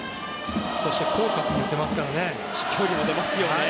そして広角に打てますからね。